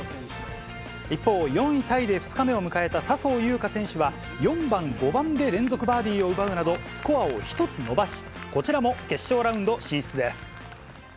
一方、４位タイで２日目を迎えた笹生優花選手は、４番、５番で連続バーディーを奪うなど、スコアを１つ伸ばし、こちらも決勝ラウンド進